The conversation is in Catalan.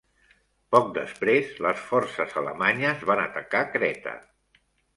Poc després, les forces alemanyes van atacar Creta.